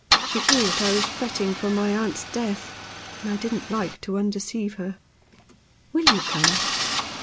She thought I was fretting for my aunt's death ; and I didn't like to undeceive her. Will you come